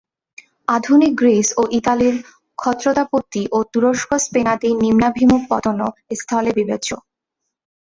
আধুনিক গ্রীস ও ইতালীর ক্ষত্রতাপত্তি ও তুরস্ক-স্পেনাদির নিম্নাভিমুখ পতনও এস্থলে বিবেচ্য।